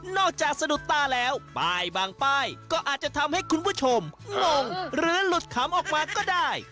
สะดุดตาแล้วป้ายบางป้ายก็อาจจะทำให้คุณผู้ชมงงหรือหลุดขำออกมาก็ได้